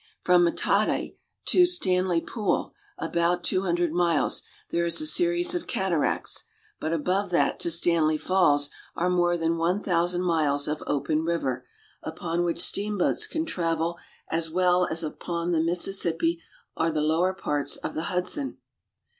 From Matadi (Ma ta'de) to Stanley Pool, about two hundred miles, there is a series of cataracts; but above that to Stanley Falls are more than one thou sand miles of open river, upon which steamboats can THE KONGO AND ITS BASIN 325 ■avel as well as upon the Mississippi or the lower parts I f the Hudson.